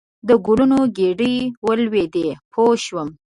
د ګلونو ګېدۍ ولیدې پوه شوم.